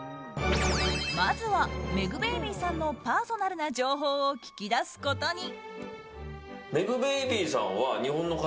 まずはｍｅｇｂａｂｙさんのパーソナルな情報を聞き出すことに。